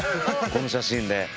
この写真で。